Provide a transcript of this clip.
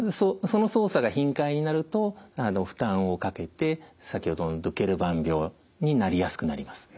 その操作が頻回になると負担をかけて先ほどのドケルバン病になりやすくなります。